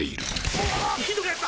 うわひどくなった！